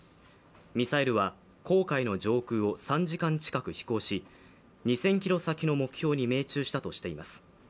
ミサイルは黄海の上空を３時間近く飛行し、２０００ｋｍ先の目標に命中したとしています。